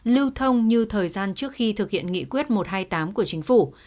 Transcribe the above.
lưu thông như thời gian trước khi thực hiện nghị quyết một trăm hai mươi tám của chính phủ